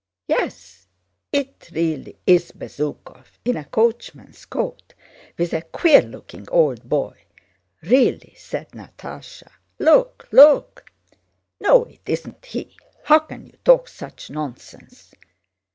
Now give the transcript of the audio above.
"Yes, it really is Bezúkhov in a coachman's coat, with a queer looking old boy. Really," said Natásha, "look, look!" "No, it's not he. How can you talk such nonsense?"